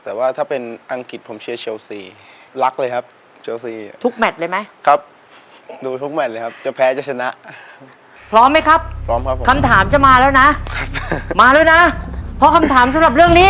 แต่ยังไม่ได้มัดเลยนะฮะยายต้องส่วนยายได้สองถุง